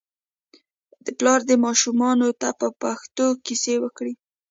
پلار دې ماشومانو ته په پښتو کیسې وکړي.